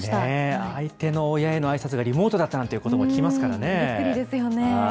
相手の親へのあいさつがリモートだったなんてことも聞きますびっくりですよね。